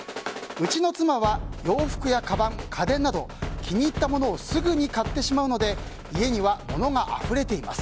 うちの妻は洋服やかばん家電など、気に入ったものをすぐに買ってしまうので家には物があふれています。